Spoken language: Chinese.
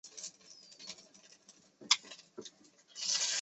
蒯越和黄祖的儿子黄射担任过章陵太守。